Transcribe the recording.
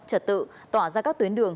trật tự tỏa ra các tuyến đường